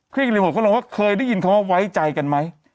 รีโหดเขาลงว่าเคยได้ยินคำว่าไว้ใจกันไหม